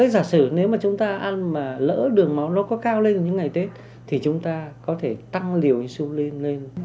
giả sử nếu mà chúng ta ăn mà lỡ đường máu nó có cao lên trong những ngày tết thì chúng ta có thể tăng liều insulin lên